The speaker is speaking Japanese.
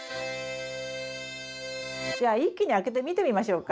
じゃあ一気にあけて見てみましょうか？